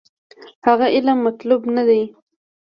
هغه علم مطلوب نه دی.